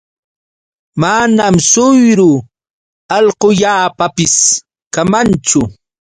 Manam suyru allqullaapapis kamanchu.